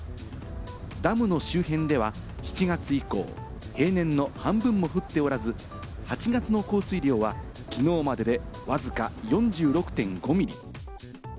ダムの周辺では７月以降、平年の半分も降っておらず、８月の降水量はきのうまでで、わずか４６．５ミリ。